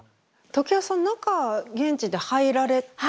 常盤さん中現地で入られてますよね。